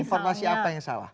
informasi apa yang salah